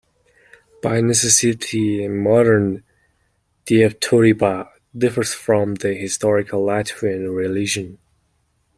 By necessity, modern Dievturība differs from the historical Latvian religion.